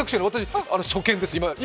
今、初見です。